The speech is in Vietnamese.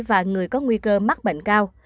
và người có nguy cơ mắc bệnh cao